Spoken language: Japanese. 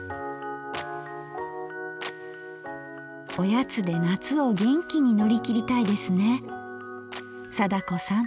おやつで夏を元気に乗り切りたいですね貞子さん！